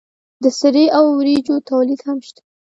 د سرې او وریجو تولید هم شته.